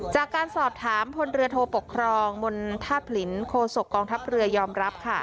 จากการสอบถามพลเรือโทปกครองมณฑาตุผลินโคศกองทัพเรือยอมรับค่ะ